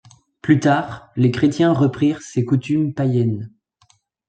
Plus tard, les Chrétiens reprirent ces coutumes païennes.